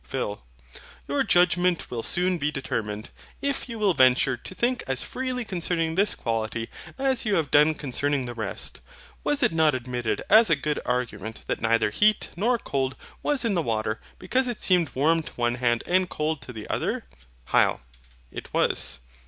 PHIL. Your judgment will soon be determined, if you will venture to think as freely concerning this quality as you have done concerning the rest. Was it not admitted as a good argument, that neither heat nor cold was in the water, because it seemed warm to one hand and cold to the other? HYL. It was.